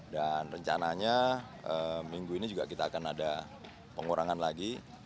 dan rencananya minggu ini juga kita akan ada pengurangan lagi